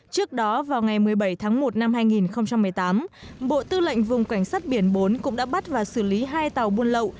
trước đó vào ngày một mươi bảy tháng một năm hai nghìn một mươi tám bộ tư lệnh vùng cảnh sát biển bốn cũng đã bắt và xử lý hai tàu buôn lậu